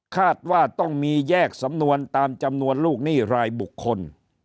คาดว่าต้องมีแยกสำนวนตามจำนวนลูกหนี้รายบุคคล